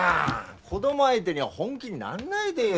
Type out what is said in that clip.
子供相手に本気になんないでよ。